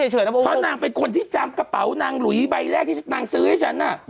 เพราะนางเป็นคนที่จำกระเป๋านางหลุยใบแรกที่นางซื้อให้ฉันน่ะ